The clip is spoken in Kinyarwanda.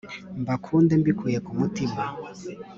mbakunde mbikuye ku mutima,